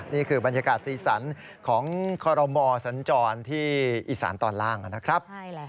นี่คือบรรยากาศสีสันของคอรมอสัญจรที่อีสานตอนล่างนะครับ